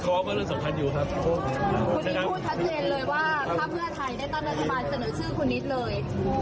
คุณนิดพูดทัศน์เรียนเลยว่าพระเวลาไทยได้ต้อนรัฐบาลเสนอชื่อคุณนิดเลย